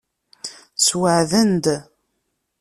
Sweɛden-d.